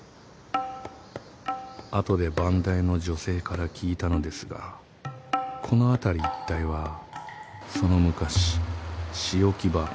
［後で番台の女性から聞いたのですがこの辺り一帯はその昔仕置き場］